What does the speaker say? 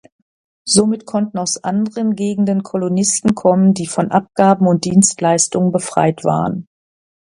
Somit konnten aus anderen Gegenden Kolonisten kommen, die von Abgaben und Dienstleistungen befreit waren.